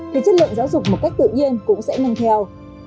thì chất lượng giáo dục một cách tự nhiên cũng sẽ nâng theo